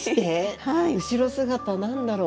後ろ姿何だろう。